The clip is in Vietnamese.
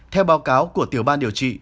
theo báo cáo của tiểu ban điều trị